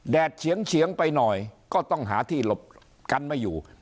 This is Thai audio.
เฉียงไปหน่อยก็ต้องหาที่หลบกันไม่อยู่